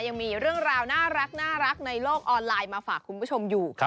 ยังมีเรื่องราวน่ารักในโลกออนไลน์มาฝากคุณผู้ชมอยู่